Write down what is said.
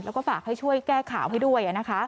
แล้วก็ฝากให้ช่วยแก้ข่าวให้ด้วย